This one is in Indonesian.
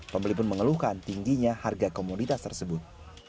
pembeli pun mengeluhkan tingginya harga komoditas tersebut